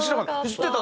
知ってた？